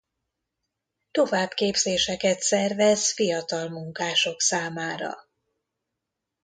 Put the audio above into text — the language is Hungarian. Továbbképzéseket szervez fiatal munkások számára.